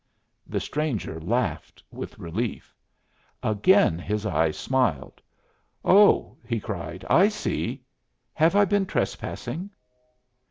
The stranger laughed with relief. Again his eyes smiled. "Oh," he cried, "I see! Have I been trespassing?"